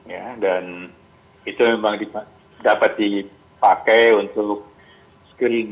ya dan itu memang dapat dipakai untuk screening